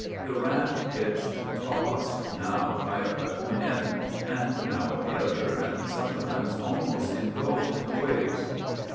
The raft pitched and tossed, now high up at one end, and now at the other, and some times almost engulfed in the waves.